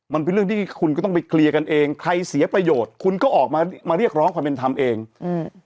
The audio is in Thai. มันเป็นเรื่องที่คุณก็ต้องไปเคลียร์กันเองใครเสียประโยชน์คุณก็ออกมามาเรียกร้องความเป็นธรรมเองอืม